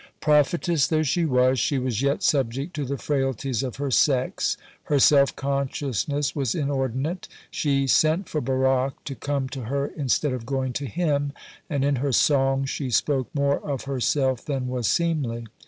(74) Prophetess though she was, she was yet subject to the frailties of her sex. Her self consciousness was inordinate. She sent for Barak (75) to come to her instead of going to him, (76) and in her song she spoke more of herself than was seemly.